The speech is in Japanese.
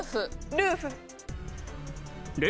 ルーフ。